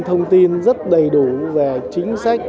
thông tin rất đầy đủ về chính sách